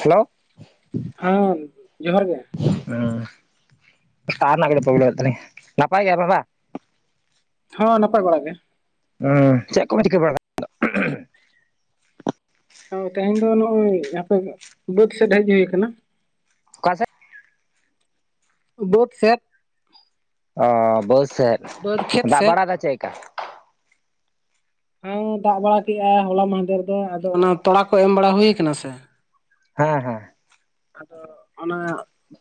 Hello ᱦᱮᱸ ᱡᱚᱦᱟᱨ ᱜᱮ ᱦᱩᱸ ᱛᱟᱨ ᱨᱮᱱᱟᱜ ᱠᱚ ᱯᱨᱚᱵᱞᱮᱢ ᱦᱩᱭᱩᱜ ᱛᱟᱞᱤ, ᱱᱟᱯᱟᱭ ᱜᱮᱭᱟ ᱯᱮ ᱵᱟ ᱦᱚᱸ ᱱᱟᱯᱟᱭ ᱵᱟᱲᱟᱜ ᱜᱮ, ᱚᱦ ᱪᱮᱫ ᱠᱚᱯᱮ ᱪᱤᱠᱟᱹ ᱵᱟᱲᱟᱭᱫᱟ? ᱛᱮᱦᱮᱧ ᱫᱚ ᱱᱚᱜᱼᱚᱭ ᱟᱯᱮ ᱵᱟᱹᱫ ᱥᱮᱫ ᱦᱮᱡ ᱦᱩᱭ ᱟᱠᱟᱱᱟ᱾ ᱚᱠᱟ ᱥᱮᱫ? ᱵᱟ. ᱫ ᱥᱮᱫ, ᱚ ᱵᱟᱹᱫ ᱥᱮᱫ ᱵᱟᱹᱫᱽ ᱠᱷᱮᱛ ᱫᱟᱜ ᱥᱮᱫ ᱵᱟᱲᱟᱭ ᱮᱫᱟ ᱪᱮᱫᱠᱟ? ᱚᱦ ᱫᱟᱜ ᱵᱟᱲᱟ ᱠᱮᱫᱼᱟ ᱦᱚᱞᱟ ᱢᱟᱦᱫᱮᱨ ᱫᱚ ᱟᱫᱚ ᱚᱱᱟ ᱛᱚᱲᱟ ᱠᱚ ᱮᱢ ᱵᱟᱲᱟ ᱦᱩᱭᱩ ᱠᱟᱱᱟ ᱥᱮ, ᱦᱮᱸ ᱦᱮᱸ ᱟᱫᱚ ᱚᱱᱟ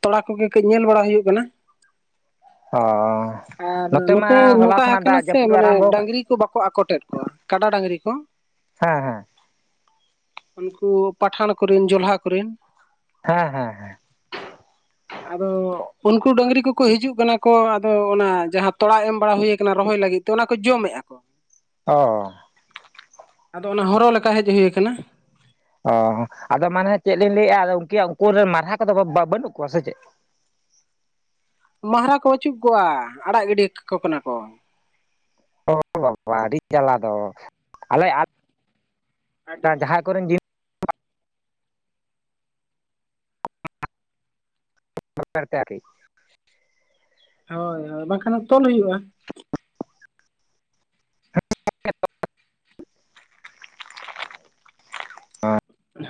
ᱛᱚᱲᱟ ᱠᱚᱜᱮ ᱠᱟᱹᱡ ᱧᱮᱞ ᱵᱟᱲᱟ ᱦᱩᱭᱩᱜ ᱠᱟᱱᱟ᱾ ᱚ ᱟᱨ ᱱᱚᱛᱮ ᱢᱟ ᱦᱚᱞᱟ ᱱᱚᱝᱠᱟ ᱠᱷᱚᱱᱟᱜ ᱟᱠᱟᱱᱟ ᱫᱟᱜ ᱥᱮ ᱡᱟᱹᱯᱩᱫ ᱮ ᱢᱟᱱᱮ ᱟᱨᱟᱢᱵᱚ ᱟᱠᱟᱫ ᱰᱟᱝᱨᱤ ᱠᱩ ᱵᱟᱠᱚ ᱟᱠᱚᱴᱮᱫ ᱠᱚᱣᱟ ᱠᱟᱰᱟ ᱰᱟᱝᱨᱤ ᱠᱚ᱾ ᱦᱮᱸ ᱦᱮᱸ ᱩᱱᱠᱩ ᱯᱟᱴᱟᱱ ᱠᱚᱨᱮᱱ ᱡᱚᱞᱦᱟ ᱠᱚᱨᱮᱱ᱾ ᱦᱮᱸ ᱦᱮᱸ ᱦᱮᱸ ᱟᱫᱚ ᱩᱱᱠᱩ ᱰᱟᱹᱝᱨᱤ ᱠᱚᱠᱚ ᱦᱤᱡᱩᱜ ᱠᱟᱱᱟ ᱠᱚ ᱟᱫᱚ ᱚᱱᱟ ᱡᱟᱸᱦᱟᱸ ᱛᱚᱲᱟ ᱮᱢ ᱵᱟᱲᱟ ᱦᱩᱭᱩ ᱟᱠᱟᱱᱟ ᱨᱚᱦᱚᱭ ᱞᱟᱹᱜᱤᱫ᱾ ᱛᱚ ᱚᱱᱟ ᱠᱚ ᱡᱚᱢᱮᱫᱼᱟ᱾ ᱚ ᱟᱫᱚ ᱚᱱᱟ ᱦᱚᱨᱚᱦᱚ ᱞᱮᱠᱟ ᱦᱮᱡ ᱦᱩᱭᱩ ᱟᱠᱟᱱᱟ᱾ ᱚ ᱟᱫᱚ ᱢᱟᱱᱮ ᱪᱮᱫ ᱞᱤᱧ ᱞᱟᱹᱭᱮᱫᱼᱟ ᱟᱫᱚ ᱩᱱᱠ ᱩᱱᱠᱩ ᱨᱮᱱ ᱢᱟᱨᱦᱟ ᱠᱚᱫᱚ ᱵᱟᱹᱱᱩᱜ ᱠᱚᱣᱟ ᱥᱮ ᱪᱮᱫ? ᱢᱟᱨᱦᱟ ᱠᱚ ᱯᱟᱹᱪᱩᱜ ᱠᱚᱜᱼᱟ ᱟᱲᱟᱜ ᱜᱤᱰᱤ ᱠᱟᱱᱟ ᱠᱚ, ᱚ ᱵᱟ ᱵᱟ ᱟᱹᱰᱤ ᱡᱟᱞᱟ ᱫᱚ ᱟᱞᱮ [unintelligible] ᱟᱹᱰᱤ ᱡᱟᱸᱦᱟᱸ ᱠᱚᱨᱮᱱ ᱡᱤᱞ ᱛᱮ [unintelligible] ᱦᱳᱭ ᱦᱳᱭ ᱵᱟᱝ ᱵᱟᱠᱷᱟᱱ ᱛᱚᱞ ᱦᱩᱭᱩᱜᱼᱟ᱾ ᱚ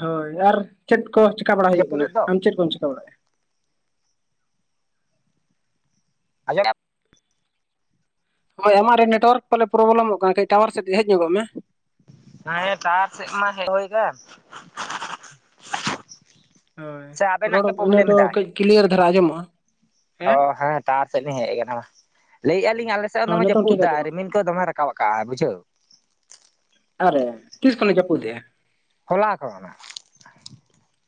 ᱦᱳᱭ ᱟᱨ ᱪᱮᱫ ᱠᱚ ᱪᱤᱠᱠᱟ ᱵᱟᱲᱟ ᱦᱩᱭᱩᱜ ᱠᱟᱱᱟ ᱡᱟᱹᱯᱩᱫᱮᱫ ᱫᱚ ᱟᱢ ᱪᱮᱫ ᱠᱚᱢ ᱪᱤᱠᱟᱹ ᱵᱟᱲᱟᱭᱼᱟ᱾ ᱟᱸᱡᱚᱢᱮᱜ ᱟᱢ ᱦᱳᱭ ᱟᱢᱟᱜ ᱨᱮ ᱱᱮᱴᱣᱟᱨᱠ ᱯᱟᱞᱮ ᱯᱨᱚᱵᱞᱮᱢᱚᱜ ᱠᱟᱱᱟ ᱠᱟᱹᱡ ᱴᱟᱣᱟᱨ ᱥᱮᱫ ᱦᱮᱡ ᱧᱚᱜᱚᱜ ᱢᱮ᱾ ᱦᱮ ᱴᱟᱣᱟᱨ ᱥᱮᱫ ᱢᱟ ᱦᱮᱫ ᱦᱩᱭ ᱟᱠᱟᱱ᱾ ᱦᱳᱭ ᱥᱮ ᱟᱵᱮᱱᱟᱜ ᱨᱚᱲ ᱜᱮ ᱤᱱᱟᱹ ᱯᱨᱚᱵᱞᱮᱢ ᱫᱚ ᱮᱫᱟᱭ ᱠᱟᱹᱡ ᱠᱞᱤᱭᱟᱨ ᱫᱷᱟᱨᱟ ᱟᱸᱡᱚᱢᱚᱜ ᱚ ᱦᱮᱸ ᱴᱟᱥᱟᱨ ᱥᱮᱫ ᱞᱤᱧ ᱦᱮᱡ ᱟᱠᱟᱱᱟ ᱢᱟ᱾ ᱞᱟᱹᱭ ᱮᱫᱟ ᱞᱤᱧ ᱟᱞᱮ ᱥᱮᱫ ᱦᱚᱸ ᱫᱚᱢᱮ ᱱᱤᱛᱚᱝ ᱡᱟᱹᱯᱩ ᱴᱷᱤᱠ ᱮᱫᱟ, ᱟᱸᱡᱚᱢᱚᱜ ᱨᱤᱢᱤᱞ ᱠᱚ ᱫᱚᱢᱮ ᱨᱟᱵ ᱟᱠᱟᱜᱼᱟ ᱵᱩᱡᱷᱟᱹᱣ, ᱟᱨ ᱮ ᱛᱤᱥᱠᱷᱚᱱᱮ ᱡᱟᱯᱩᱫ ᱮᱫᱟ? ᱦᱚᱞᱟ ᱠᱷᱚᱱᱟ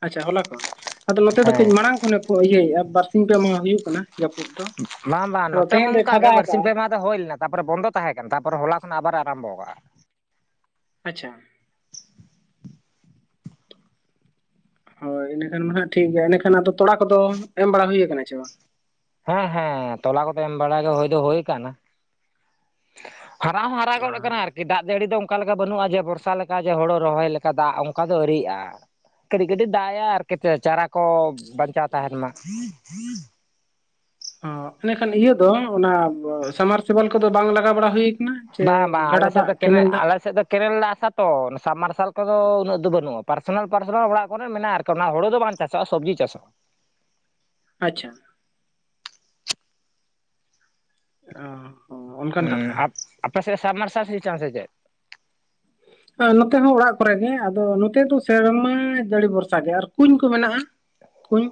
ᱟᱪᱪᱷᱟ ᱦᱚᱞᱟ ᱠᱷᱚᱱ ᱟᱫᱚ ᱱᱚᱛᱮ ᱫᱚ ᱠᱟᱹᱡ ᱦᱮᱸ ᱢᱟᱲᱟᱝ ᱠᱷᱚᱱ ᱤᱭᱟᱹᱭᱮᱫᱟ, ᱵᱟᱨᱥᱤᱧ ᱯᱮ ᱢᱟᱦᱟ ᱦᱩᱭᱩᱜ ᱠᱟᱱᱟ᱾ ᱡᱟᱹᱯᱩᱫ ᱫᱚ ᱵᱟᱝ ᱵᱟᱝ ᱟᱫᱚ ᱱᱚᱛᱮ ᱛᱮᱦᱮᱧ ᱦᱚᱸ ᱫᱚᱭ ᱚᱱᱠᱟ ᱜᱮ ᱯᱷᱟᱫᱟ ᱟᱠᱟᱜᱼᱟ, ᱵᱟᱨᱥᱤᱧ ᱯᱮ ᱢᱟᱦᱟ ᱦᱩᱭ ᱞᱮᱱᱟ ᱛᱟᱯᱚᱨ ᱵᱚᱱᱫᱚ ᱛᱟᱦᱮᱸ ᱠᱟᱱᱟ, ᱛᱟᱨᱯᱚᱨ ᱦᱚᱞᱟ ᱠᱷᱚᱱᱟᱜ ᱟᱵᱟᱨ ᱮ ᱟᱨᱟᱢᱵᱚ ᱟᱠᱟᱜᱼᱟ᱾ ᱟᱪᱪᱷᱟ, ᱦᱳᱭ ᱤᱱᱟᱹᱠᱷᱟᱱ ᱢᱟ ᱦᱟᱸᱜ ᱴᱷᱤᱠ ᱜᱮᱭᱟ ᱮᱸᱰᱮᱠᱷᱟᱱ ᱟᱫᱚ ᱛᱳᱲᱟ ᱠᱚᱫᱚ ᱮᱢ ᱵᱟᱲᱟ ᱦᱩᱭᱩ ᱟᱠᱟᱱᱟ ᱥᱮ ᱵᱟᱝ? ᱦᱮᱸ ᱦᱮᱸ ᱛᱚᱞᱟ ᱠᱚᱫᱚ ᱮᱢ ᱵᱟᱲᱟ ᱫᱚ ᱦᱩᱭ ᱫᱚ ᱦᱩᱭ ᱠᱟᱱᱟ᱾ ᱦᱟᱨᱟ ᱦᱚ ᱦᱟᱨᱟ ᱜᱚᱫ ᱟᱠᱟᱱᱟ ᱟᱨᱠᱤ, ᱫᱟᱜ ᱡᱟᱹᱲᱤ ᱫᱚ ᱚᱱᱠᱟ ᱞᱮᱠᱟ ᱵᱟᱹᱱᱩᱜᱼᱟ ᱡᱮ ᱵᱚᱨᱥᱟ ᱞᱮᱠᱟ ᱡᱮ ᱦᱳᱲᱳ ᱨᱚᱦᱚᱭ ᱞᱮᱠᱟ ᱫᱟᱜ ᱚᱱᱠᱟ ᱫᱚ ᱟᱹᱣᱨᱤ ᱟᱜᱼᱟ᱾ ᱠᱟᱹᱴᱤᱡ ᱠᱟᱹᱴᱤᱡ ᱫᱟᱜ ᱮᱜ-ᱟᱭ ᱟᱨᱠᱤ ᱪᱟᱨᱟ ᱠᱚ ᱵᱟᱧᱪᱟᱣ ᱛᱟᱦᱮᱱ ᱢᱟ᱾ ᱚ ᱮᱱᱮᱠᱷᱟᱱ ᱤᱭᱟᱹ ᱫᱚ ᱚᱱᱟ ᱥᱟᱢᱟᱨᱥᱵᱟᱞ ᱠᱚᱫᱚ ᱵᱟᱝ ᱞᱟᱜᱟᱣ ᱵᱟᱲᱟ ᱦᱩᱭ ᱟᱠᱟᱱᱟ᱾ ᱵᱟᱝ ᱵᱟᱝ ᱟᱞᱮ ᱥᱮᱫ ᱫᱚ ᱠᱮᱱᱮᱞ ᱟᱞᱮ ᱥᱮᱫ ᱫᱚ ᱠᱮᱱᱮᱞ ᱨᱮᱱᱟᱜ ᱟᱥᱟ ᱛᱚ, ᱥᱟᱵ ᱢᱟᱨᱥᱟᱞ ᱠᱚᱫᱚ ᱩᱱᱟᱹᱜ ᱫᱚ ᱵᱟᱹᱱᱩᱜᱼᱟ, ᱯᱟᱨᱥᱱᱟᱞ ᱯᱟᱨᱥᱚᱱᱟᱞ ᱚᱲᱟᱜ ᱠᱚᱨᱮᱱ ᱢᱮᱱᱟᱜᱼᱟ ᱟᱨᱠᱤ᱾ ᱛᱚ ᱚᱱᱟ ᱦᱳᱲᱳ ᱫᱚ ᱵᱟᱝ ᱪᱟᱥᱚᱜᱼᱟ ᱥᱚᱵᱡᱤ ᱪᱟᱥ ᱟᱪᱪᱷᱟ ᱾ ᱚ ᱾ ᱩᱸ ᱟᱯ ᱟᱯᱮ ᱥᱮᱫ ᱥᱟᱵᱢᱟᱨᱥᱟᱞ ᱥᱤᱥᱴᱮᱢ ᱥᱮ ᱪᱮᱫ? ᱱᱚᱛᱮ ᱦᱚᱸ ᱚᱲᱟᱜ ᱠᱚᱨᱮ ᱜᱮ, ᱟᱫᱚ ᱱᱚᱛᱮ ᱫᱚ ᱥᱮᱨᱢᱟ ᱡᱟᱹᱲᱤ ᱵᱷᱚᱨᱥᱟ ᱜᱮ ᱟᱨ ᱠᱩᱧ ᱠᱚ ᱢᱮᱱᱟᱜᱼᱟ ᱾ ᱠᱩᱧ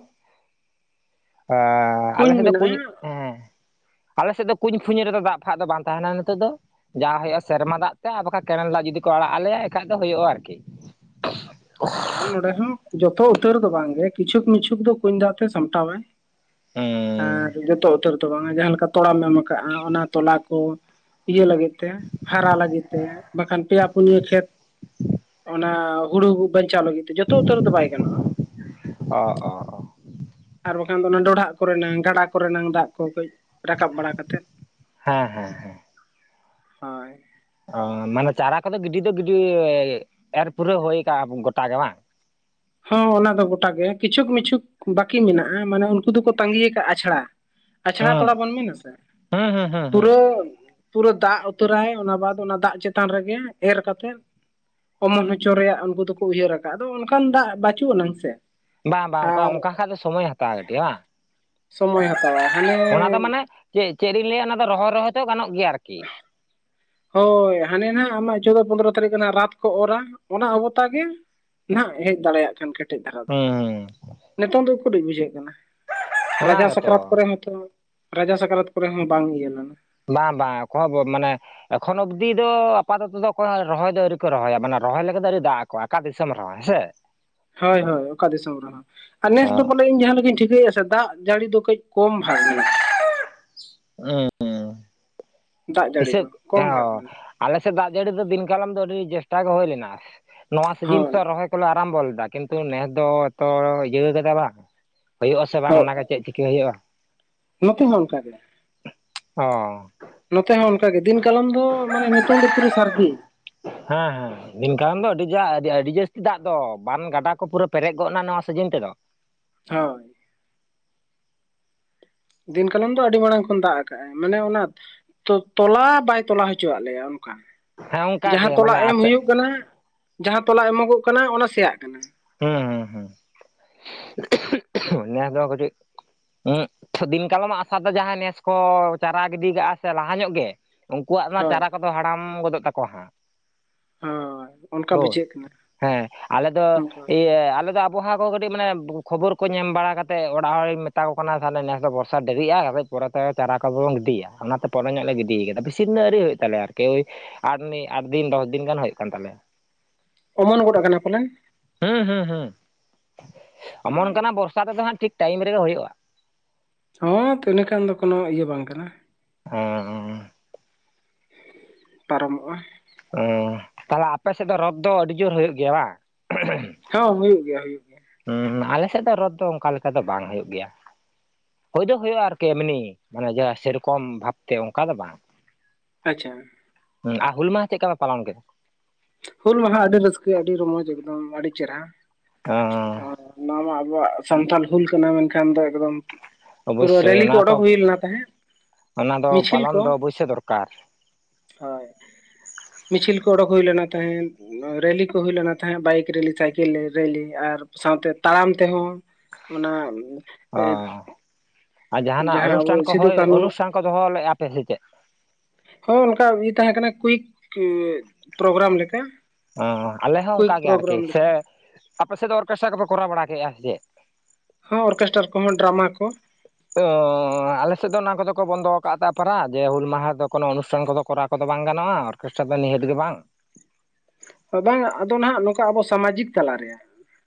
ᱟᱸ ᱟᱞᱮ ᱥᱮᱫ ᱫᱚ ᱠᱩᱧ ᱦᱮᱸ [unintelligible] ᱟᱞᱮ ᱥᱮᱫ ᱫᱚ ᱠᱩᱸᱧ ᱯᱷᱩᱸᱧ ᱨᱮᱫᱚ ᱫᱟᱜ ᱯᱷᱟᱜ ᱫᱚ ᱵᱟᱝ ᱛᱟᱦᱮᱱᱟ ᱱᱤᱛᱚᱜ ᱫᱚ ᱾ ᱡᱟᱦᱟᱸ ᱦᱩᱭᱩᱜᱼᱟ ᱥᱮᱨᱢᱟ ᱫᱟᱜ ᱛᱮ, ᱟᱨ ᱵᱟᱠᱷᱟᱱ ᱠᱮᱱᱮᱞ ᱫᱟᱜ ᱡᱩᱫᱤ ᱠᱚ ᱟᱲᱟᱜ ᱟᱞᱮᱭᱟ ᱮᱱᱠᱷᱟᱡ ᱫᱚ ᱦᱩᱭᱩᱜᱼᱟ ᱟᱨᱠᱤ ᱾ ᱟᱨ ᱱᱚᱸᱰᱮ ᱦᱚᱸ ᱡᱚᱛᱚ ᱩᱛᱟᱹᱨ ᱫᱚ ᱵᱟᱝᱜᱮ ᱠᱤᱪᱷᱩᱠ ᱢᱤᱪᱷᱩᱠ ᱫᱚ ᱠᱩᱧ ᱫᱟᱜ ᱛᱮ ᱥᱟᱢᱴᱟᱣᱟᱭ ᱾ ᱦᱩᱸ ᱾ ᱟᱨ ᱡᱚᱛᱚ ᱩᱛᱟᱹᱨ ᱫᱚ ᱵᱟᱝᱟ ᱡᱟᱦᱟᱸ ᱞᱮᱠᱟ ᱛᱚᱲᱟᱢ ᱮᱢ ᱠᱟᱜᱼᱟ, ᱚᱱᱟ ᱛᱚᱞᱟ ᱠᱚ ᱾ ᱤᱭᱟᱹ ᱞᱟᱹᱜᱤᱫ ᱛᱮ ᱦᱟᱨᱟ ᱞᱟᱹᱜᱤᱫ ᱛᱮ, ᱵᱟᱠᱷᱟᱱ ᱯᱮᱭᱟ ᱯᱩᱱᱭᱟᱹ ᱠᱷᱮᱛ ᱚᱱᱟ ᱦᱩᱲᱩ ᱵᱟᱧᱪᱟᱣ ᱞᱟᱹᱜᱤᱫ ᱛᱮ ᱡᱚᱛᱚ ᱩᱛᱟᱹᱨ ᱫᱚ ᱵᱟᱭ ᱜᱟᱱᱚᱜᱼᱟ ᱾ ᱚ ᱚ ᱾ ᱟᱨ ᱵᱟᱠᱷᱟᱱ ᱫᱚ ᱚᱱᱟ ᱰᱚᱰᱷᱟᱜ ᱠᱚᱨᱮᱱᱟᱝ ᱜᱟᱰᱟ ᱠᱚᱨᱮᱱᱟᱝ ᱫᱟᱜ ᱠᱚ ᱠᱟᱹᱡ ᱨᱟᱠᱟᱵ ᱵᱟᱲᱟ ᱠᱟᱛᱮᱫ ᱾ ᱦᱮᱸ ᱦᱮᱸ ᱦᱮᱸ ᱾ ᱦᱳᱭ ᱚ ᱢᱟᱱᱮ ᱪᱟᱨᱟ ᱠᱚᱫᱚ ᱜᱤᱰᱤ ᱫᱚ ᱜᱤᱰᱤ ᱮᱨ ᱯᱩᱨᱟᱹᱭ ᱦᱩᱭ ᱟᱠᱟᱜᱼᱟ ᱜᱚᱴᱟ ᱜᱮ ᱵᱟᱝ? ᱦᱚᱸ ᱚᱱᱟ ᱫᱚ ᱜᱚᱴᱟ ᱜᱮ ᱠᱤᱪᱷᱩᱠ ᱢᱤᱪᱷᱩᱠ ᱵᱟᱹᱠᱤ ᱢᱮᱱᱟᱜᱼᱟ ᱢᱟᱱᱮ ᱩᱱᱠᱩ ᱫᱚᱠᱚ ᱛᱟᱸᱜᱤ ᱭᱟᱠᱟᱫᱟ ᱟᱪᱷᱟᱲᱟ ᱾ ᱟᱪᱷᱟᱲᱟ ᱦᱩᱸ ᱛᱚᱲᱟ ᱵᱚᱱ ᱢᱮᱱ ᱟᱥᱮ ᱦᱩᱸ ᱦᱩᱸ ᱦᱩᱸ ᱦᱩᱸ ᱯᱩᱨᱟᱹ ᱯᱩᱨᱟᱹ ᱫᱟᱜ ᱩᱛᱟᱹᱨᱟᱭ ᱚᱱᱟ ᱵᱟᱫ ᱚᱱᱟ ᱫᱟᱜ ᱪᱮᱛᱟᱱ ᱨᱮᱜᱮ ᱮᱨ ᱠᱟᱛᱮᱜ ᱚᱢᱚᱱ ᱦᱚᱪᱚ ᱨᱮᱭᱟᱜ ᱩᱱᱠᱩ ᱫᱚᱠᱚ ᱩᱭᱦᱟᱹᱨ ᱟᱠᱟᱜᱼᱟ ᱟᱫᱚ ᱚᱱᱠᱟᱱ ᱫᱟᱜ ᱵᱟᱹᱪᱩᱜ ᱟᱱᱟᱝ ᱥᱮ ᱾ ᱵᱟᱝ ᱵᱟᱝ, ᱚᱱᱠᱟ ᱚᱱᱠᱟ ᱠᱷᱟᱡ ᱫᱚ ᱥᱚᱢᱚᱭ ᱦᱟᱛᱟᱣᱟ ᱠᱟᱹᱴᱤᱡ ᱵᱟᱝ? ᱥᱚᱢᱚᱭ ᱦᱟᱛᱟᱣ ᱟᱭ ᱦᱟᱱᱮ ᱚᱱᱟ ᱫᱚ ᱢᱟᱱᱮ ᱪᱮᱫ ᱪᱮᱫ ᱤᱧ ᱞᱟᱹᱭᱟ ᱚᱱᱟ ᱫᱚ ᱨᱚᱦᱚᱭ ᱨᱚᱦᱚᱭ ᱛᱚ ᱜᱟᱱᱚᱜ ᱜᱮᱭᱟ ᱟᱨᱠᱤ ᱾ ᱦᱳᱭ ᱦᱟᱱᱮ ᱱᱟᱦᱟᱜ ᱟᱢᱟᱜ ᱪᱳᱫᱳ ᱯᱚᱸᱫᱽᱨᱚ ᱛᱟᱹᱨᱤᱠᱷ ᱦᱟᱜ ᱨᱟᱛ ᱠᱚ ᱚᱨᱟ ᱚᱱᱟ ᱚᱵᱚᱛᱟ ᱜᱮ ᱱᱟᱦᱜ ᱦᱮᱡ ᱫᱟᱲᱮᱭᱟᱜ ᱠᱷᱟᱱ ᱠᱟᱹᱴ ᱠᱮᱴᱮᱡ ᱫᱷᱟᱨᱟ ᱫᱚ ᱦᱩᱸ ᱱᱤᱛᱚᱝ ᱫᱚ ᱩᱠᱩᱨᱤᱡ ᱵᱩᱡᱷᱟᱹᱜ ᱠᱟᱱᱟ? ᱚᱱᱟ ᱨᱟᱡᱟ ᱜᱮᱛᱚ ᱥᱟᱠᱨᱟᱛ ᱠᱚᱨᱮ ᱦᱚᱸᱛᱚ ᱨᱟᱡᱟ ᱥᱟᱠᱨᱟᱛ ᱠᱚᱨᱮ ᱦᱚᱸ ᱵᱟᱝ ᱤᱭᱟᱹ ᱞᱮᱱᱟ ᱾ ᱵᱟᱝ ᱵᱟᱝ ᱚᱠᱚᱭ ᱦᱚᱸ ᱢᱟᱱᱮ ᱮᱠᱷᱚᱱ ᱚᱵᱫᱤ ᱫᱚ ᱟᱯᱟᱛᱚᱛᱚ ᱫᱚ ᱚᱠᱚᱭ ᱨᱚᱦᱚᱭ ᱫᱚ ᱟᱹᱣᱨᱤ ᱠᱚ ᱨᱚᱦᱚᱭᱟ ᱢᱟᱱᱮ ᱨᱚᱦᱚᱭ ᱞᱮᱠᱟ ᱫᱚ ᱟᱣᱨᱤ ᱫᱟᱜ ᱟᱠᱚᱣᱟ ᱟᱠᱟ ᱫᱤᱥᱚᱢ ᱨᱮᱦᱚ ᱦᱮᱸᱥᱮ ᱾ ᱦᱳᱭ ᱦᱳᱭ ᱚᱠᱟ ᱫᱤᱥᱚᱢ ᱨᱮᱦᱚᱸ ᱟᱨ ᱱᱮᱥ ᱚ ᱫᱚ ᱯᱟᱞᱮ ᱤᱧ ᱡᱟᱦᱟᱸ ᱞᱮᱠᱟᱧ ᱴᱷᱤᱠᱟᱹᱭᱮᱫᱼᱟ ᱥᱮ ᱫᱟᱜ ᱡᱟᱹᱲᱤ ᱫᱚ ᱠᱟᱹᱡ ᱠᱚᱢ ᱵᱷᱟᱜ ᱢᱮᱱᱟᱜᱼᱟ ᱾ ᱩᱸ ᱾ ᱫᱟᱜ ᱡᱟᱹᱲᱤ ᱦᱤᱥᱟᱹᱵᱽ ᱫᱚ ᱠᱚᱢ ᱵᱷᱟᱜᱽ ᱚ ᱢᱮᱱᱟᱜᱼᱟ ᱟᱞᱮ ᱥᱮᱫ ᱫᱟᱜ ᱡᱟᱹᱲᱤ ᱫᱚ ᱫᱤᱱ ᱠᱟᱞᱚᱢ ᱫᱚ ᱟᱹᱰᱤ ᱪᱮᱥᱴᱟ ᱜᱮ ᱦᱩᱭ ᱞᱮᱱᱟ ᱱᱚᱣᱟ ᱥᱤᱡᱤᱱ ᱦᱳᱭ ᱛᱮ ᱨᱚᱦᱚᱭ ᱠᱚᱞᱮ ᱟᱨᱟᱢᱵᱚ ᱞᱮᱫᱟ ᱠᱤᱱᱛᱩ ᱱᱮᱥ ᱫᱚ ᱮᱛᱚ ᱤᱭᱟᱹᱣ ᱠᱟᱫᱟ ᱵᱟᱝ ᱾ ᱦᱩᱭᱩᱜ ᱟᱥᱮ ᱵᱟᱝ ᱦᱳᱭ ᱚᱱᱟᱜᱮ ᱪᱮᱫ ᱪᱤᱠᱤ ᱦᱩᱭᱩᱜᱼᱟ? ᱱᱚᱛᱮ ᱦᱚᱸ ᱚᱱᱠ ᱜᱮ ᱾ ᱚ ᱾ ᱱᱚᱛᱮ ᱦᱚᱸ ᱚᱱᱠᱟᱜᱮ ᱫᱤᱱ ᱠᱟᱞᱚᱢ ᱫᱚ ᱢᱟᱱᱮ ᱱᱤᱛᱚᱝ ᱫᱚ ᱯᱩᱨᱟᱹ ᱥᱟᱹᱨᱫᱤ ᱾ ᱦᱮᱸ ᱦᱮᱸ ᱾ ᱫᱤᱱ ᱠᱟᱨᱚᱱ ᱫᱚ ᱟᱹᱰᱤ ᱡᱟ ᱟᱹᱰᱤ ᱡᱟᱹᱥᱛᱤ ᱫᱟᱜ ᱫᱚ ᱵᱟᱱ ᱜᱟᱰᱟ ᱠᱚ ᱯᱩᱨᱟᱹ ᱯᱮᱨᱮᱡ ᱜᱚᱫ ᱱᱟ ᱱᱚᱣᱟ ᱥᱤᱡᱤᱱ ᱛᱮᱫᱚ ᱾ ᱦᱳᱭ ᱫᱤᱱ ᱠᱟᱞᱚᱢ ᱫᱚ ᱟᱹᱰᱤ ᱢᱟᱲᱟᱝ ᱠᱷᱚᱱ ᱫᱟᱜ ᱟᱠᱟᱫᱼᱟᱭ ᱢᱟᱱᱮ ᱚᱱᱟ ᱛᱚᱞᱟ ᱵᱟᱭ ᱛᱚᱞᱟ ᱦᱚᱪᱚᱣᱟᱜ ᱞᱮᱭᱟ ᱚᱱᱠᱟ ᱦᱮᱸ ᱚᱱᱠᱟ ᱜᱮ ᱡᱟᱦᱟᱸ ᱛᱚᱞᱟ ᱢᱟᱱᱮ ᱮᱢ ᱟᱪᱪᱷᱟ ᱦᱩᱭᱩᱜ ᱠᱟᱱᱟ ᱡᱟᱦᱟᱸ ᱛᱚᱞᱟ ᱮᱢᱚᱜᱚᱜ ᱠᱟᱱᱟ ᱚᱱᱟ ᱥᱮᱭᱟᱜ ᱠᱟᱱᱟ ᱦᱩᱸ ᱦᱩᱸ ᱦᱩᱸ ᱱᱮᱥᱫᱚ ᱠᱟᱹᱴᱤᱡ ᱫᱤᱱ ᱠᱟᱞᱚᱢᱟᱜ ᱟᱥᱟ ᱛᱮ ᱡᱟᱦᱟᱸᱭ ᱱᱮᱥ ᱠᱚ ᱪᱟᱨᱟ ᱜᱤᱰᱤ ᱠᱟᱜᱼᱟ ᱥᱮ ᱞᱟᱦᱟ ᱧᱚᱜ ᱜᱮ ᱩᱝᱠᱩᱣᱟᱜ ᱢᱟ ᱦᱳᱭ ᱪᱟᱨᱟ ᱠᱚᱫᱚ ᱦᱟᱲᱟᱢ ᱜᱚᱫᱚᱜ ᱛᱟᱠᱚᱣᱟ ᱦᱟᱸᱜ ᱦᱳᱭ ᱚᱱᱠᱟ ᱦᱮᱞᱳ ᱵᱩᱡᱷᱟᱹᱜ ᱠᱟᱱᱟ ᱦᱮᱸ ᱟᱞᱮ ᱫᱚ ᱚᱱᱠᱟ ᱡᱮ ᱟᱞᱮᱫᱚ ᱟᱵᱚᱦᱟᱣᱟ ᱠᱚ ᱠᱟᱹᱴᱤᱡ ᱢᱟᱱᱮ ᱠᱷᱚᱵᱚᱨ ᱠᱚ ᱧᱮᱞ ᱵᱟᱲᱟ ᱠᱟᱛᱮᱫ ᱚᱲᱟᱜ ᱦᱚᱲᱤᱧ ᱢᱮᱛᱟ ᱠᱚ ᱠᱟᱱᱟ ᱛᱟᱦᱚᱞᱮ ᱱᱮᱥ ᱫᱚ ᱵᱚᱨᱥᱟ ᱥᱟ ᱰᱮᱨᱤᱜ-ᱟ ᱟᱫᱚ ᱯᱚᱨᱮᱛᱮ ᱪᱟᱨᱟ ᱠᱚ ᱵᱟᱱ ᱜᱤᱰᱤᱭᱟ ᱚᱱᱟᱛᱮ ᱯᱚᱨᱮ ᱧᱚᱜ ᱞᱮ ᱜᱤᱰᱤ ᱟᱠᱟᱫᱟ ᱵᱤᱥᱤ ᱫᱤᱱ ᱫᱚ ᱟᱹᱣᱨᱤ ᱦᱩᱭᱩᱜ ᱛᱟᱞᱮᱭᱟ ᱟᱨᱠᱤ ᱟᱴ ᱫᱤᱱ ᱟᱴ ᱫᱤᱱ ᱫᱚᱥ ᱫᱤᱱ ᱜᱟᱱ ᱦᱩᱭᱩᱜ ᱠᱟᱱ ᱛᱟᱞᱮᱭᱟ ᱚᱢᱚᱱ ᱜᱚᱫ ᱟᱠᱟᱱᱟ ᱯᱟᱞᱮᱱ ᱦᱩᱸ ᱦᱩᱸ ᱦᱩᱸ ᱚᱢᱚᱱ ᱟᱠᱟᱱᱟ ᱵᱚᱨᱥᱟ ᱛᱮᱫᱚ ᱦᱟᱸᱜ ᱴᱷᱤᱠ ᱴᱟᱭᱤᱢ ᱨᱮᱜᱮ ᱦᱩᱭᱩᱜᱼᱟ ᱦᱩᱸ ᱛᱟᱦᱞᱮ ᱠᱷᱟᱱ ᱫᱚ ᱠᱳᱱᱚ ᱤᱭᱟᱹ ᱵᱟᱝ ᱠᱟᱱᱟ ᱦᱮᱸ ᱦᱮᱸ ᱯᱟᱨᱚᱢᱚᱜᱼᱟ ᱚᱸ ᱛᱟᱦᱞᱮ ᱟᱯᱮ ᱥᱮᱫ ᱫᱚ ᱨᱚᱛ ᱫᱚ ᱟᱹᱰᱤ ᱡᱳᱨ ᱦᱩᱭᱩᱜ ᱜᱮᱭᱟ ᱵᱟᱝ ᱦᱚᱸ ᱦᱩᱭᱩᱜ ᱜᱮᱭᱟ ᱦᱩᱭᱩᱜ ᱜᱮᱭᱟ ᱦᱮᱸ ᱟᱞᱮᱥᱮᱫ ᱫᱚ ᱨᱚᱛ ᱫᱚ ᱚᱱᱠᱟ ᱞᱮᱠᱟ ᱫᱚ ᱵᱟᱝ ᱦᱩᱭᱩᱜ ᱜᱮᱭᱟ ᱦᱩᱭ ᱫᱚ ᱦᱩᱭᱩᱜᱼᱟ ᱟᱨᱠᱤ ᱮᱢᱱᱤ ᱢᱟᱱᱮ ᱡᱟᱦᱟᱸ ᱥᱮᱨᱚᱠᱚᱢ ᱵᱷᱟᱵᱛᱮ ᱚᱱᱠᱟ ᱫᱚ ᱵᱟᱝ ᱟᱪᱪᱷᱟ ᱟᱨ ᱦᱩᱞ ᱢᱟᱦᱟ ᱪᱮᱫ ᱞᱮᱠᱟ ᱯᱮ ᱯᱟᱞᱚᱱ ᱠᱮᱫᱟ ᱦᱩᱞ ᱢᱟᱦᱟ ᱟᱹᱰᱤ ᱨᱟᱹᱥᱠᱟᱹ ᱟᱹᱰᱤ ᱨᱚᱢᱚᱡᱽ ᱮᱠᱫᱚᱢ ᱟᱹᱰᱤ ᱪᱮᱦᱨᱟ ᱦᱟᱸ ᱱᱚᱣᱟ ᱢᱟ ᱟᱵᱚᱣᱟᱜ ᱥᱟᱱᱛᱟᱞ ᱦᱩᱞ ᱠᱟᱱᱟ ᱢᱮᱱᱠᱷᱟᱱ ᱫᱚ ᱮᱠᱫᱚᱢ ᱯᱩᱨᱟᱹ ᱚᱵᱚᱥᱥᱳᱭ ᱨᱮᱞᱤ ᱠᱚ ᱚᱱᱟ ᱚᱰᱩᱚᱠ ᱛᱚ ᱦᱩᱭ ᱞᱮᱱᱟ ᱛᱟᱦᱮᱸᱫ ᱚᱱᱟ ᱫᱚ ᱢᱤᱪᱷᱤᱞ ᱯᱟᱞᱚᱱ ᱠᱚ ᱫᱚ ᱚᱵᱚᱥᱥᱳᱭ ᱫᱚᱨᱠᱟᱨ ᱦᱳᱭ ᱢᱤᱪᱷᱤᱞ ᱠᱚ ᱚᱰᱳᱠ ᱦᱩᱭ ᱞᱮᱱᱟ ᱛᱟᱦᱮᱸᱫ ᱨᱮᱞᱤ ᱠᱚ ᱦᱩᱭ ᱞᱮᱱᱟ ᱛᱟᱦᱮᱸᱫ ᱵᱟᱭᱤᱠ ᱨᱮᱞᱤ ᱥᱟᱭᱠᱮᱞ ᱨᱮᱞᱤ ᱟᱨ ᱥᱟᱶᱛᱮ ᱛᱟᱲᱟᱢ ᱛᱮᱦᱚᱸ ᱚᱱᱟ ᱚ ᱮ, ᱟᱨ ᱡᱟᱦᱟᱱᱟᱜ ᱡᱟᱦᱟᱸ ᱟᱵᱚ ᱚᱱᱩᱥᱴᱷᱟᱱ ᱠᱚ ᱥᱤᱫᱩ ᱦᱩᱭ ᱠᱟᱹᱱᱦᱩ ᱚᱱᱩᱥᱴᱷᱟᱱ ᱠᱚ ᱫᱚᱦᱚ ᱞᱮᱫᱼᱟ ᱯᱮ ᱥᱮ ᱪᱮᱫ ᱦᱚᱸ ᱚᱱᱠᱟ ᱤᱭᱟᱹ ᱛᱟᱦᱮᱸ ᱠᱟᱱᱟ ᱠᱩᱭᱤᱠ ᱯᱨᱳᱜᱽᱨᱟᱢ ᱞᱮᱠᱟ ᱚᱸ ᱟᱞᱮ ᱦᱚᱸ ᱠᱩᱭᱤᱠ ᱚᱝᱠᱟ ᱜᱮ ᱟᱨᱠᱤ ᱯᱨᱳᱜᱨᱟᱢ ᱥᱮ ᱞᱮᱠᱟ ᱟᱯᱮ ᱥᱮᱫ ᱫᱚ ᱚᱨᱠᱮᱥᱴᱟᱨᱟᱠᱚᱯᱮ ᱠᱚᱨᱟᱣ ᱵᱟᱲᱟ ᱠᱮᱫᱼᱟ ᱥᱮ ᱪᱮᱫ ᱦᱚᱸ ᱚᱨᱠᱮᱥᱴᱟᱨ ᱠᱚᱦᱚᱸ ᱰᱨᱟᱢᱟ ᱠᱚ ᱚᱸ ᱟᱞᱮ ᱥᱮᱫ ᱫᱚ ᱚᱱᱟ ᱠᱚᱫᱚ ᱠᱚ ᱵᱚᱱᱫᱚ ᱟᱠᱟᱫ-ᱟ ᱛᱟ ᱯᱟᱨᱟ ᱡᱮ ᱦᱩᱞ ᱢᱟᱦᱟ ᱫᱚ ᱠᱚᱱᱚ ᱚᱱᱩᱥᱴᱷᱟᱱ ᱠᱚᱫᱚ ᱠᱚᱨᱟᱣ ᱠᱚ ᱫᱚ ᱵᱟᱝ ᱜᱟᱱᱚᱜᱼᱟ ᱟᱨ ᱠᱚᱥᱴᱟ ᱫᱚ ᱱᱤᱦᱟᱹᱛ ᱜᱮ ᱵᱟᱝ ᱵᱟᱝ ᱟᱫᱚ ᱱᱟᱦᱟᱜ ᱱᱚᱝᱠᱟ ᱟᱵᱚ ᱥᱟᱢᱟᱡᱤᱠ ᱛᱟᱞᱟᱨᱮ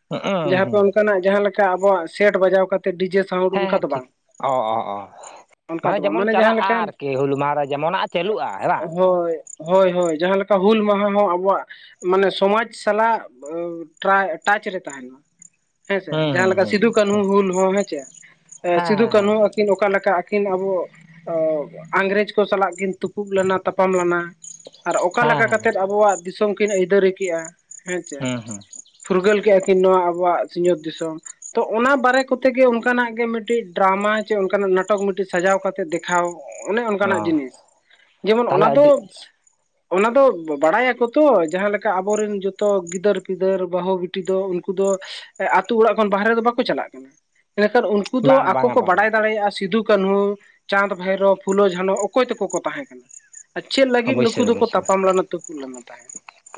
ᱦᱩᱸ ᱡᱟᱦᱟᱸ ᱯᱮ ᱦᱩᱸ ᱚᱱᱠᱟᱱᱟᱜ ᱡᱟᱦᱟᱸ ᱞᱮᱠᱟ ᱠᱟ ᱟᱵᱚᱣᱟᱜ ᱥᱮᱴ ᱵᱟᱡᱟᱣ ᱠᱟᱛᱮ ᱰᱤᱡᱮ ᱥᱟᱣᱩᱱᱰ ᱚᱱᱠᱟ ᱦᱮᱸ ᱫᱚ ᱵᱟᱝ ᱚᱸ ᱚᱸ ᱚᱸ ᱚᱱᱠᱟ ᱢᱟᱱᱮ ᱫᱚ ᱵᱟᱝ ᱡᱮᱢᱚᱱ ᱡᱟᱦᱟᱸ ᱪᱟᱞᱟᱜᱼᱟ ᱞᱮᱠᱟ ᱟᱨᱠᱤ ᱦᱩᱞ ᱢᱟᱦᱟ ᱨᱮ ᱡᱮᱢᱚᱱ ᱪᱟᱹᱞᱩᱜᱼᱟ ᱦᱮ ᱵᱟ ᱦᱳᱭ ᱦᱳᱭ ᱦᱳᱭ ᱡᱟᱦᱟᱸ ᱞᱮᱠᱟ ᱦᱩᱞ ᱢᱟᱦᱟ ᱦᱚᱸ ᱟᱵᱚᱣᱟᱜ ᱢᱟᱱᱮ ᱥᱚᱢᱟᱡ ᱥᱟᱞᱟᱜ ᱴᱟᱪ ᱨᱮ ᱛᱟᱦᱮᱱᱟ ᱦᱮᱸᱥᱮ ᱦᱩᱸ ᱡᱟᱦᱟᱸ ᱦᱩᱸ ᱞᱮᱠᱟ ᱦᱩᱸ ᱥᱤᱫᱩ ᱠᱟᱹᱱᱦᱩ ᱦᱩᱸ ᱦᱩᱞ ᱦᱚᱸ ᱦᱮᱸᱪᱮ ᱦᱮᱸ ᱥᱤᱫᱩ ᱦᱮᱸ ᱦᱮᱸ ᱠᱟᱹᱱᱦᱩ ᱟᱹᱠᱤᱱ ᱚᱠᱟ ᱞᱮᱠᱟ ᱟᱹᱠᱤᱱ ᱟᱵᱚ ᱚᱻ ᱤᱝᱨᱮᱡᱽ ᱠᱚ ᱥᱟᱞᱟᱜ ᱠᱤᱱ ᱛᱩᱯᱩᱜ ᱞᱮᱱᱟ ᱛᱟᱯᱟᱢ ᱞᱮᱱᱟ ᱟᱨ ᱚᱠᱟ ᱞᱮᱠᱟ ᱦᱮᱸ ᱠᱟᱛᱮᱫ ᱟᱵᱚᱣᱟᱜ ᱫᱤᱥᱚᱢ ᱠᱤᱱ ᱟᱹᱭᱫᱟᱹᱨᱤ ᱠᱮᱜᱼᱟ ᱦᱮᱸ ᱪᱮ ᱦᱩᱸ ᱦᱩᱸ ᱯᱷᱩᱨᱜᱟᱹᱞ ᱠᱮᱫᱼᱟᱠᱤᱱ ᱱᱚᱣᱟ ᱟᱵᱚᱣᱟᱜ ᱥᱤᱧᱚᱛ ᱫᱤᱥᱚᱢ ᱛᱚ ᱚᱱᱟ ᱵᱟᱨᱮ ᱠᱚᱛᱮ ᱜᱮ ᱚᱱᱠᱟᱱᱟᱜ ᱜᱮ ᱢᱤᱫᱴᱤᱡ ᱰᱨᱟᱢᱟ ᱪᱚ ᱚᱱᱠᱟᱱᱟᱜ ᱱᱟᱴᱚᱠ ᱢᱤᱫᱴᱤᱡ ᱥᱟᱡᱟᱣ ᱠᱟᱛᱮ ᱫᱮᱠᱷᱟᱣ ᱚᱱᱮ ᱚ ᱚᱱᱠᱟᱱᱟᱜ ᱡᱤᱱᱤᱥ ᱡᱮᱢᱚᱱ ᱚᱱᱟ ᱛᱟᱦᱚᱞᱮ ᱫᱚ ᱟᱹᱰᱤ ᱚᱱᱟ ᱫᱚ ᱵᱟᱲᱟᱭᱟᱠᱚ ᱛᱚ ᱡᱟᱦᱟᱸ ᱞᱮᱠᱟ ᱟᱵᱚᱨᱮᱱ ᱡᱚᱛᱚ ᱜᱤᱫᱟᱹᱨ ᱯᱤᱫᱟᱹᱨ ᱵᱟᱹᱦᱩ ᱵᱤᱴᱤ ᱫᱚ ᱩᱱᱠᱩ ᱫᱚ ᱮ ᱟᱛᱩ ᱚᱲᱟᱜ ᱠᱷᱚᱱ ᱵᱟᱨᱦᱮ ᱫᱚ ᱵᱟᱠᱚ ᱪᱟᱞᱟᱜ ᱠᱟᱱᱟ ᱱᱮᱛᱟᱨ ᱩᱱᱠᱩ ᱩᱱᱠᱩ ᱫᱚ ᱵᱟᱝ ᱟᱠᱚ ᱵᱟᱝᱟ ᱠᱚ ᱵᱟᱝᱟ ᱵᱟᱲᱟᱭ ᱫᱟᱲᱮᱭᱟᱜᱼᱟ ᱥᱤᱫᱩ ᱠᱟᱹᱱᱦᱩ ᱪᱟᱸᱫᱽ ᱵᱷᱟᱭᱨᱳ ᱯᱷᱩᱞᱳ ᱡᱷᱟᱱᱚ ᱚᱠᱚᱭ ᱛᱮᱠᱚ ᱠᱚ ᱛᱟᱦᱮᱸ ᱠᱟᱱᱟ ᱟᱨ ᱪᱮᱫ ᱞᱟᱹᱜᱤᱫ ᱱᱩᱠᱩ ᱚᱵᱚᱥᱥᱳᱭ ᱫᱚᱠᱚ ᱛᱟᱯᱟᱢ ᱞᱮᱱᱟ ᱛᱩᱯᱩᱜ ᱞᱮᱱᱟ ᱛᱟᱦᱮᱸᱫ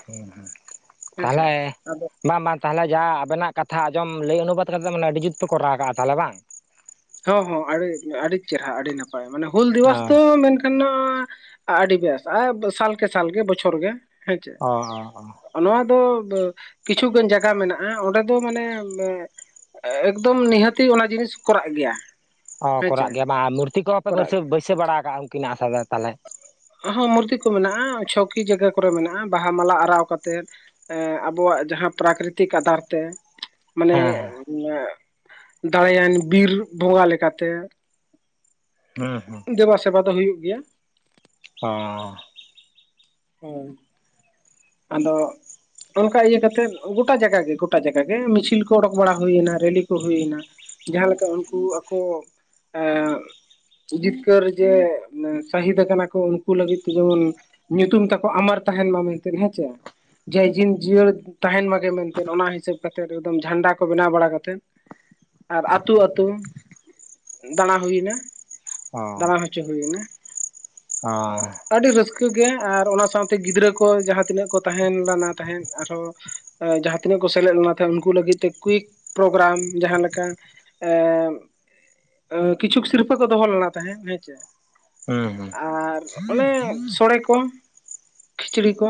ᱦᱮᱸ ᱦᱮᱸ ᱦᱮᱸᱥᱮ ᱛᱟᱞᱦᱮ ᱟᱫᱚ ᱵᱟᱝ ᱵᱟᱝ ᱛᱟᱞᱦᱮ ᱡᱟ ᱟᱵᱮᱱᱟᱜ ᱠᱟᱛᱷᱟ ᱟᱸᱡᱚᱢ ᱞᱟᱹᱭ ᱚᱱᱩᱵᱟᱟᱫ ᱠᱟᱛᱮᱫ ᱟᱹᱰᱤ ᱡᱩᱛ ᱯᱮ ᱠᱚᱨᱟᱣ ᱠᱟᱜᱼᱟ ᱛᱟᱦᱚᱞᱮ ᱵᱟᱝ ᱦᱚᱸ ᱦᱚᱸ ᱟᱹᱰᱤ ᱟᱹᱰᱤ ᱪᱮᱨᱦᱟ ᱟᱹᱰᱤ ᱱᱟᱯᱟᱭ ᱢᱟᱱᱮ ᱦᱩᱞ ᱚ ᱫᱤᱵᱚᱥ ᱛᱚ ᱟᱹᱰᱤ ᱵᱮᱥ ᱟᱨ ᱥᱟᱞ ᱠᱮ ᱥᱟᱞ ᱜᱮ ᱵᱚᱪᱷᱚᱨ ᱜᱮ ᱦᱮᱸ ᱪᱮ ᱚ ᱚ ᱚ ᱱᱚᱣᱟ ᱫᱚ ᱠᱤᱪᱷᱩᱜᱟᱱ ᱡᱟᱭᱜᱟ ᱢᱮᱱᱟᱜᱼᱟ ᱚᱸᱰᱮ ᱫᱚ ᱢᱟᱱᱮ ᱮᱸ ᱮᱠᱫᱚᱢ ᱱᱤᱦᱟᱹᱛᱤ ᱚᱱᱟ ᱡᱤᱱᱤᱥ ᱠᱚᱨᱟᱜ ᱜᱮᱭᱟ ᱚ ᱦᱮᱸᱪᱮ ᱠᱚᱨᱟᱜ ᱜᱮᱭᱟ ᱵᱟᱝ ᱢᱩᱨᱛᱤ ᱠᱚᱦᱚᱸ ᱯᱮ ᱠᱚᱨᱟᱜ ᱵᱟᱹᱭᱥᱟᱹ ᱜᱮᱭᱟ ᱵᱟᱹᱭᱥᱟᱹ ᱵᱟᱲᱟ ᱟᱠᱟᱜᱼᱟ ᱩᱱᱠᱤᱱᱟᱜ ᱟᱥᱟ ᱫᱚ ᱛᱟᱞᱦᱮ ᱦᱚᱸ ᱢᱩᱨᱛᱤ ᱠᱚ ᱢᱮᱱᱟᱜᱼᱟ ᱪᱷᱚᱠᱤ ᱡᱟᱭᱜᱟ ᱠᱚᱨᱮ ᱢᱮᱱᱟᱜᱼᱟ ᱵᱟᱦᱟ ᱢᱟᱞᱟ ᱟᱨᱟᱣ ᱠᱟᱛᱮᱫ ᱮᱸ ᱟᱵᱚᱣᱟᱜ ᱡᱟᱦᱟᱸ ᱯᱨᱟᱠᱨᱤᱛᱤᱠ ᱟᱫᱷᱟᱨᱛᱮ ᱢᱟᱱᱮ ᱦᱮᱸ ᱦᱮᱸ ᱮᱸᱜ ᱫᱟᱲᱟᱭᱟᱱ ᱵᱤᱨ ᱵᱚᱸᱜᱟ ᱞᱮᱠᱟᱛᱮ ᱦᱮᱸ ᱦᱮᱸ ᱫᱮᱵᱟ ᱥᱮᱵᱟ ᱫᱚ ᱦᱩᱭᱩᱜ ᱜᱮᱭᱟ ᱚᱻ ᱟᱨ ᱟᱫᱚ ᱚᱱᱠᱟ ᱤᱭᱟᱹ ᱠᱟᱛᱮᱜ ᱜᱚᱴᱟ ᱡᱟᱭᱜᱟ ᱜᱮ ᱜᱚᱴᱟ ᱡᱟᱭᱜᱟ ᱜᱮ ᱢᱤᱪᱷᱤᱞ ᱠᱚ ᱚᱰᱳᱠ ᱵᱟᱲᱟ ᱦᱩᱭᱱᱟ ᱨᱮᱞᱤ ᱠᱚ ᱦᱩᱭᱱᱟ ᱡᱟᱦᱟᱸᱞᱮᱠᱟ ᱩᱱᱠᱩ ᱟᱠᱚ ᱮᱸᱜ ᱡᱤᱛᱠᱟᱹᱨ ᱡᱮ ᱥᱟᱹᱦᱤᱫ ᱠᱟᱱᱟ ᱠᱚ ᱩᱱᱠᱩ ᱞᱟᱹᱜᱤᱫ ᱛᱮ ᱡᱮᱢᱚᱱ ᱧᱩᱛᱩᱢ ᱛᱟᱠᱚ ᱟᱢᱟᱨ ᱛᱟᱦᱮᱱ ᱢᱟ ᱢᱮᱱᱛᱮ ᱦᱮᱸ ᱪᱮ ᱡᱮ ᱡᱤᱱ ᱡᱤᱭᱟᱹᱲ ᱛᱟᱦᱮᱱ ᱢᱟᱜᱮ ᱢᱮᱱᱛᱮ ᱚᱱᱟ ᱦᱤᱥᱟᱹᱵᱛᱮᱫ ᱮᱠᱫᱚᱢ ᱡᱷᱟᱱᱰᱟ ᱠᱚ ᱵᱮᱱᱟᱣ ᱵᱟᱲᱟ ᱠᱟᱛᱮᱫ ᱟᱨ ᱟᱹᱛᱩ ᱟ ᱟᱹᱛᱩ ᱫᱟᱸᱲᱟ ᱦᱩᱭᱱᱟ ᱫᱟᱸᱲᱟ ᱦᱚᱪᱚ ᱦᱩᱭᱱᱟ ᱚᱻ ᱟᱹᱰᱤ ᱨᱟᱹᱥᱠᱟᱹ ᱜᱮ ᱟᱨ ᱚᱱᱟ ᱥᱟᱶᱛᱮ ᱜᱤᱫᱽᱨᱟᱹ ᱠᱚ ᱠᱚ ᱡᱟᱦᱟᱸ ᱛᱤᱱᱟᱹᱜ ᱠᱚ ᱛᱟᱦᱮᱸᱱ ᱞᱟᱱᱟ ᱛᱟᱦᱮᱸᱫ ᱟᱨᱦᱚᱸ ᱡᱟᱦᱟᱸ ᱛᱤᱱᱟᱹᱜ ᱠᱚ ᱥᱮᱞᱮᱫ ᱞᱮᱱᱟ ᱛᱟᱦᱮᱸᱱ ᱩᱱᱠᱩ ᱞᱟᱹᱜᱤᱫ ᱛᱮ ᱠᱩᱭᱤᱠ ᱯᱨᱳᱜᱨᱟᱢ ᱡᱟᱦᱟᱸ ᱞᱮᱠᱟ ᱮᱸᱻ ᱠᱤᱪᱷᱩᱠ ᱥᱤᱨᱯᱟᱹ ᱠᱚ ᱫᱚᱦᱚ ᱞᱮᱱᱟ ᱛᱟᱦᱮᱸᱫ ᱦᱮᱸ ᱪᱮ ᱦᱩᱸ ᱦᱩᱸ ᱟᱨ ᱚᱱᱮ ᱥᱳᱲᱮ ᱠᱚ ᱠᱷᱤᱪᱲᱤ ᱠᱚ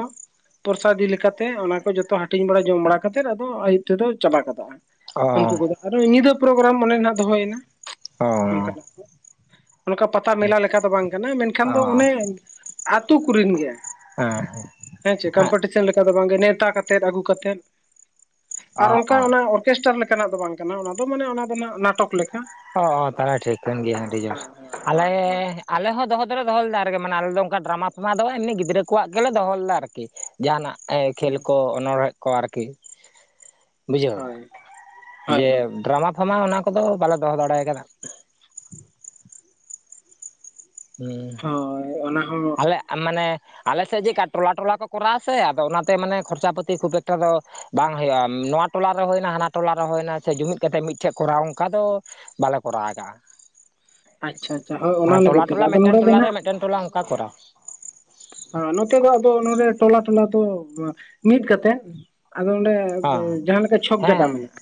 ᱯᱚᱨᱥᱟ ᱤᱫᱤ ᱞᱮᱠᱟᱛᱮ ᱚᱱᱟ ᱠᱚ ᱡᱚᱛᱚ ᱦᱟᱹᱴᱤᱧ ᱵᱟᱲᱟ ᱡᱚᱢ ᱵᱟᱲᱟ ᱠᱟᱛᱮᱫ ᱟᱫᱚ ᱟᱭᱩᱵ ᱛᱮᱫᱚ ᱪᱟᱵᱟ ᱜᱚᱫᱚᱜᱼᱟ ᱚ ᱩᱱᱠᱩ ᱠᱚᱫᱚ ᱟᱨᱚ ᱧᱤᱫᱟᱹ ᱯᱨᱳᱜᱨᱟᱢ ᱚᱱᱰᱮ ᱱᱟᱜ ᱫᱚᱦᱚᱭᱮᱱᱟ ᱚᱱᱠᱟᱱᱟᱜ ᱚᱱᱠᱟ ᱯᱟᱛᱟ ᱢᱮᱞᱟ ᱞᱮᱠᱟ ᱫᱚ ᱵᱟᱝ ᱠᱟᱱᱟ ᱢᱮᱱᱠᱷᱟᱱ ᱚ ᱫᱚ ᱚᱱᱮ ᱟ ᱟᱹᱛᱩ ᱠᱚᱨᱮᱱ ᱜᱮ ᱮ ᱦᱮᱸ ᱪᱮ ᱠᱚᱢᱯᱤᱴᱤᱥᱮᱱ ᱞᱮᱠᱟ ᱫᱚ ᱵᱟᱝᱜᱮ ᱱᱮᱣᱛᱟ ᱠᱟᱛᱮᱫ ᱟᱹᱜᱩ ᱠᱟᱛᱮᱫ ᱚ ᱟᱨ ᱚᱱᱠᱟ ᱚ ᱚᱱᱟ ᱚᱨᱠᱮᱥᱴᱟᱨ ᱞᱮᱠᱟᱱᱟᱜ ᱫᱚ ᱵᱟᱝ ᱠᱟᱱᱟ ᱚᱱᱟ ᱫᱚ ᱢᱟᱱᱮ ᱚᱱᱟ ᱫᱚᱱᱦᱟᱜ ᱱᱟᱴᱚᱠ ᱞᱮᱠᱟ᱾ ᱚ ᱛᱟᱦᱚᱞᱮ ᱴᱷᱤᱠ ᱠᱟᱹᱱ ᱜᱮᱭᱟ ᱟᱹᱰᱤ ᱡᱳᱨ ᱦᱮᱸ ᱦᱮᱸ ᱟᱞᱮ ᱦᱳᱭ ᱟᱞᱮ ᱦᱚᱸ ᱫᱚᱦᱚ ᱫᱚᱞᱮ ᱫᱚᱦᱚ ᱞᱮᱫᱟ ᱟᱨ ᱜᱮ ᱢᱟᱱᱮ ᱟᱞᱮ ᱫᱚ ᱚᱝᱠᱟ ᱰᱨᱟᱢᱟ ᱯᱷᱟᱢᱟ ᱫᱚ ᱮᱢᱱᱤ ᱜᱤᱫᱽᱨᱟᱹ ᱠᱚᱣᱟᱜ ᱜᱮᱞᱮ ᱫᱚᱦᱚ ᱞᱮᱫᱟ ᱟᱨᱠᱤ᱾ ᱡᱟᱦᱟᱱᱟᱜ ᱮ ᱠᱷᱮᱞ ᱠᱚ ᱚᱱᱬᱦᱮᱜ ᱠᱚ ᱟᱨᱠᱤ ᱵᱩᱡᱷᱟᱹᱣ ᱦᱳᱭ ᱦᱳᱭ ᱡᱮ ᱦᱳᱭ ᱦᱳᱭ ᱰᱨᱟᱢᱟ ᱯᱷᱟᱢᱟ ᱚᱱᱟ ᱠᱚᱫᱚ ᱵᱟᱞᱮ ᱫᱚᱦᱚ ᱫᱟᱲᱮᱭ ᱠᱟᱫᱟ᱾ ᱦᱩᱸ ᱦᱚᱭ ᱚᱱᱟ ᱦᱚᱸ ᱞᱮᱜ ᱢᱟᱱᱮ ᱟᱞᱮ ᱥᱮᱡ ᱡᱮᱜᱠᱟ ᱴᱚᱞᱟ ᱴᱚᱞᱟ ᱠᱚ ᱠᱚᱨᱟᱣ ᱟ ᱥᱮ ᱟᱫᱚ ᱚᱱᱟᱛᱮ ᱢᱟᱱᱮ ᱠᱷᱚᱨᱪᱟ ᱯᱟᱹᱛᱤ ᱠᱷᱩᱵ ᱮᱠᱴᱟ ᱫᱚ ᱵᱟᱝ ᱦᱳᱭᱳᱜ-ᱟ ᱱᱚᱣᱟ ᱴᱚᱞᱟᱮ ᱨᱮ ᱦᱩᱭᱱᱟ ᱦᱟᱱᱟ ᱴᱚᱞᱟ ᱨᱮ ᱦᱩᱭᱱᱟ ᱪᱷᱮ ᱡᱩᱢᱤᱫ ᱠᱟᱛᱮᱫ ᱢᱤᱫᱴᱷᱮᱡ ᱠᱚᱨᱟᱣ ᱚᱝᱠᱟ ᱫᱚ ᱵᱟᱞᱮ ᱠᱚᱨᱟᱣ ᱠᱟᱜ-ᱟ ᱟᱪᱪᱷᱟ ᱟᱪᱪᱷᱟ ᱦᱳᱭ ᱚᱱᱟ ᱢᱟᱱᱮ ᱴᱚᱞᱟ ᱞᱟᱹᱜᱤᱫ ᱛᱮᱜᱮ ᱴᱚᱞᱟ ᱟᱫᱚ ᱢᱮᱜᱴᱮᱱ ᱱᱚᱰᱮ ᱫᱚ ᱴᱚᱞᱟ ᱱᱟᱜ ᱢᱮᱜᱴᱮᱱ ᱴᱚᱞᱟ ᱚᱝᱠᱟ ᱠᱚᱨᱟᱣ ᱱᱚᱛᱮ ᱫᱚ ᱟᱫᱚ ᱱᱚᱰᱮ ᱴᱚᱞᱟ ᱴᱚᱞᱟ ᱛᱚ ᱢᱤᱫ ᱠᱟᱛᱮᱫ ᱟᱫᱚ ᱚᱸᱰᱮ ᱦᱮᱸ ᱡᱟᱦᱟᱸ ᱞᱮᱠᱟ ᱪᱷᱚᱠ ᱡᱟᱜᱟ ᱦᱮᱸ ᱢᱮᱱᱟᱜ-ᱟ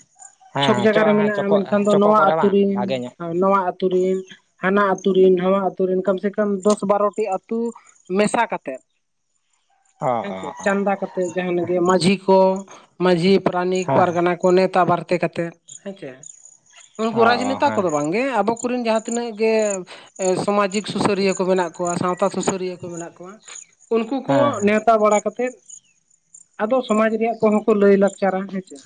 ᱪᱷᱚᱠ ᱦᱮᱸ ᱪᱚ ᱡᱟᱜᱟ ᱨᱮ ᱦᱮᱸ ᱢᱮᱱᱟᱜ-ᱟ ᱪᱚᱠᱚ ᱢᱮᱱᱠᱷᱟᱱ ᱫᱚ ᱪᱚᱠᱚ ᱱᱚᱣᱟ ᱠᱚᱨᱮ ᱟᱹᱛᱩ ᱵᱟᱝ ᱨᱤᱱ ᱵᱷᱟᱜᱮ ᱧᱚᱜ ᱱᱚᱣᱟ ᱟᱛᱩ ᱨᱤᱱ ᱦᱟᱱᱟ ᱟᱛᱩ ᱨᱤᱱ ᱧᱚᱷᱣᱟ ᱟᱹᱛᱩ ᱨᱤᱱ ᱠᱚᱢ ᱥᱮ ᱠᱚᱢ ᱫᱚᱥ ᱵᱟᱨᱚᱴᱤ ᱟᱹᱛᱩ ᱢᱮᱥᱟ ᱠᱟ ᱛᱮᱫ ᱚ ᱚ ᱦᱮᱸᱥᱮ ᱚ ᱪᱟᱸᱫᱫᱟ ᱠᱟᱛᱮᱜ ᱡᱟᱦᱟᱱᱟᱜ ᱜᱮ ᱢᱟᱺᱡᱷᱤ ᱠᱚ ᱢᱟᱺᱡᱷᱤ ᱯᱨᱟᱱᱤᱠ ᱦᱮᱸ ᱯᱟᱨᱜᱟᱱᱟ ᱠᱚ ᱱᱮᱣᱛᱟ ᱵᱟᱨᱛᱮ ᱠᱟᱛᱮᱫ ᱦᱮᱸ ᱪᱮ ᱩᱱᱠᱩ ᱚ ᱚ ᱨᱟᱡᱽᱱᱮᱛᱟ ᱦᱮᱸ ᱠᱚᱫᱚ ᱵᱟᱝᱜᱮ ᱟᱵᱚ ᱠᱩᱨᱤᱱ ᱡᱟᱦᱟᱸ ᱛᱤᱱᱟᱹᱜ ᱜᱮ ᱥᱚᱢᱟᱡᱤᱠ ᱥᱩᱥᱟᱹᱨᱤᱭᱟᱹ ᱠᱚ ᱢᱮᱱᱟᱜ ᱠᱚᱣᱟ ᱥᱟᱶᱛᱟ ᱥᱩᱥᱟᱹᱨᱤᱭᱟᱹ ᱠᱚ ᱢᱮᱱᱟᱜ ᱠᱚᱣᱟ ᱩᱱᱠᱩ ᱠᱚ ᱦᱮᱸ ᱦᱮᱸ ᱱᱮᱶᱛᱟ ᱵᱟᱲᱟ ᱠᱟᱛᱮᱫ, ᱟᱫᱚ ᱥᱚᱢᱟᱡᱽ ᱨᱮᱭᱟᱜ ᱠᱚ ᱦᱚᱸᱠᱚ ᱞᱟᱹᱭ ᱞᱟᱠᱪᱟᱨᱟ ᱦᱮᱸ ᱪᱮ᱾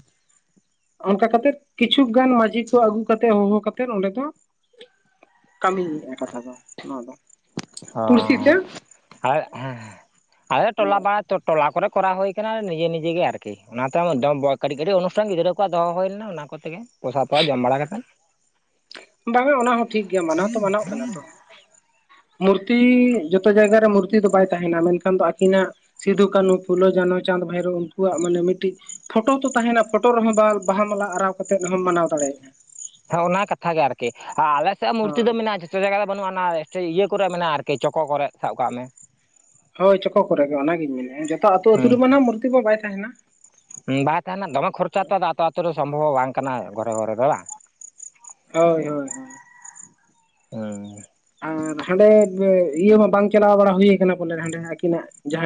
ᱚᱱᱠᱟ ᱠᱟᱛᱮᱫ ᱠᱤᱪᱪᱷᱩ ᱜᱟᱱ ᱢᱟᱹᱡᱷᱤ ᱠᱚ ᱟᱹᱜᱩ ᱠᱟᱛᱮ ᱦᱚᱦᱚ ᱠᱟᱛᱮᱫ ᱚᱸᱰᱮ ᱫᱚ ᱠᱟᱹᱢᱤᱭᱮ-ᱟ ᱠᱟᱛᱷᱟ ᱫᱚ ᱱᱚᱣᱟ ᱫᱚ᱾ ᱯᱩᱲᱥᱤ ᱦᱚᱸ ᱛᱮ ᱟᱨ ᱦᱮᱸ ᱟᱫᱚ ᱴᱚᱞᱟ ᱯᱟᱲᱟ ᱛᱚ ᱴᱚᱞᱟ ᱠᱚᱨᱮᱜ ᱠᱚᱨᱟᱣ ᱦᱩᱭ ᱠᱟᱱᱟ ᱱᱤᱡᱮ ᱱᱤᱡᱮ ᱜᱮ ᱟᱨᱠᱤ ᱚᱱᱟᱛᱮ ᱰᱟᱹᱢ ᱵᱟᱹᱠ ᱠᱟᱹᱴᱤᱡ ᱠᱟᱹᱴᱤᱡ ᱚᱱᱩᱥᱴᱟᱱ ᱜᱤᱫᱽᱨᱟᱹ ᱠᱚᱣᱟᱜ ᱫᱚᱦᱚ ᱦᱳᱭ ᱞᱮᱱᱟ ᱚᱱᱟ ᱠᱚᱛᱮᱜᱮ ᱯᱚᱥᱟ ᱛᱚᱣᱟ ᱡᱚᱢ ᱵᱟᱲᱟ ᱠᱟᱛᱮᱫ ᱵᱟᱝ-ᱟ ᱚᱱᱟ ᱦᱚᱸ ᱴᱷᱤᱠ ᱜᱮᱭᱟ ᱢᱟᱱᱟᱣ ᱛᱚ ᱢᱟᱱᱟᱣᱚᱜ ᱠᱟᱱᱟ ᱛᱚ᱾ ᱢᱩᱨᱛᱤ ᱡᱚᱛᱚ ᱡᱟᱭᱜᱟᱨᱮ ᱢᱩᱨᱛᱤ ᱫᱚ ᱵᱟᱭ ᱛᱟᱦᱮᱱᱟ ᱢᱮᱱᱠᱷᱟᱱ ᱫᱚ ᱟᱹᱠᱤᱱᱟᱜ ᱥᱤᱫᱷᱩ, ᱠᱟᱹᱱᱩ, ᱯᱷᱩᱞᱳ, ᱡᱟᱱᱚ, ᱪᱟᱸᱫ, ᱵᱷᱟᱹᱭᱨᱳ ᱩᱱᱠᱩᱣᱟᱜ ᱢᱟᱱᱮ ᱢᱤᱫᱴᱤᱡ ᱯᱷᱚᱴᱚ ᱛᱚ ᱛᱟᱦᱮᱱᱟ ᱯᱷᱚᱴᱚ ᱨᱮᱦᱚᱸ ᱵᱟᱞ ᱵᱟᱦᱟ ᱢᱟᱞᱟ ᱟᱨᱟᱣ ᱠᱟᱛᱮᱫ ᱦᱚᱢ ᱢᱟᱱᱟᱣ ᱫᱟᱲᱮᱭᱟᱜ-ᱟ᱾ ᱦᱚᱸ ᱚᱱᱟ ᱠᱟᱛᱷᱟ ᱜᱮ ᱟᱨᱠᱤ ᱟ ᱟᱞᱮᱥᱮᱜ ᱦᱚ ᱢᱩᱨᱛᱤ ᱫᱚ ᱦᱳᱭ ᱢᱮᱱᱟᱜ-ᱟ ᱡᱷᱚᱛᱚ ᱡᱟᱭᱜᱟ ᱫᱚ ᱵᱟᱹᱱᱩᱜ-ᱟ ᱱᱟ ᱥᱮ ᱤᱭᱟᱹ ᱠᱚᱨᱮ ᱢᱮᱱᱟᱜ-ᱟ ᱟᱨᱠᱤ ᱪᱚᱠᱚ ᱠᱚᱨᱮᱜ ᱥᱟᱵ ᱠᱟᱜ ᱢᱮ᱾ ᱦᱳᱭ ᱪᱚᱠᱚ ᱠᱚᱨᱮᱜ ᱜᱮ ᱚᱱᱟᱜᱤᱧ ᱢᱮᱱᱮᱜ-ᱟ ᱡᱚᱛᱚ ᱟᱹᱛᱩ ᱟᱹᱛᱩ ᱨᱮᱢᱟ ᱦᱮᱸ ᱱᱦᱟᱜ ᱢᱩᱨᱛᱤ ᱢᱟ ᱵᱟᱭ ᱛᱟᱦᱮᱱᱟ᱾ ᱵᱟᱭ ᱛᱟᱦᱮᱱᱟ ᱫᱚᱢᱮ ᱠᱷᱚᱨᱪᱟ ᱛᱚ ᱟᱛᱚ ᱟᱛᱩ ᱨᱮ ᱥᱚᱢᱵᱷᱚᱵ ᱦᱚᱸ ᱵᱟᱝ ᱠᱟᱱᱟ ᱜᱷᱚᱨᱮ ᱜᱷᱚᱨᱮ ᱫᱚ ᱵᱟᱝ? ᱦᱳᱭ ᱦᱳᱭ ᱦᱳ ᱩᱸ ᱟᱨ ᱦᱟᱸᱰᱮ ᱵᱮ ᱤᱭᱟᱹ ᱢᱟ ᱵᱟᱝ ᱪᱟᱞᱟᱣ ᱵᱟᱲᱟ ᱦᱩᱭ ᱟᱠᱟᱱᱟ ᱵᱚᱞᱮ ᱦᱟᱸᱰᱮ ᱦᱟᱸᱜ ᱟᱹᱠᱤᱱᱟᱜ ᱡᱟᱦᱟᱸ